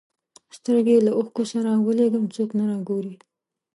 سترګي له اوښکو سره ولېږم څوک نه را ګوري